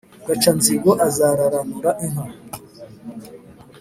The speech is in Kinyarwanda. gaca-nzigo azararanura inka.